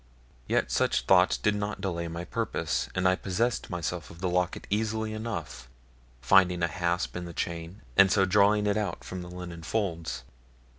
Yet such thoughts did not delay my purpose, and I possessed myself of the locket easily enough, finding a hasp in the chain, and so drawing it out from the linen folds.